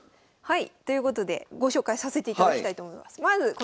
はいということでご紹介させていただきたいと思います。